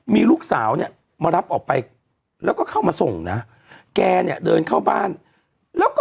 มารับออกไปแล้วก็เข้ามาส่งนะแกเนี่ยเดินเข้าบ้านแล้วก็